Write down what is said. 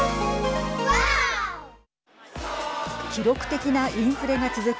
記録的なインフレが続く